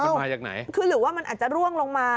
มันมาจากไหนคือหรือว่ามันอาจจะร่วงลงมา